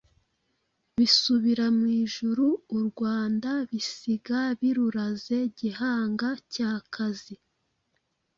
bisubira mw'ijuru, u Rwanda bisiga biruraze Gihangacya Kazi.